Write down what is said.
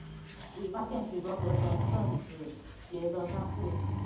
已发现许多合成分子结的方式。